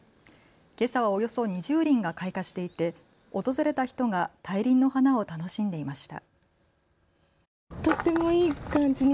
けさはおよそ２０輪が開花していて訪れた人が大輪の花を楽しんでいました。